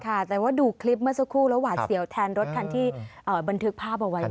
แต่ว่าดูคลิปเมื่อสักครู่แล้วหวาดเสียวแทนรถคันที่บันทึกภาพเอาไว้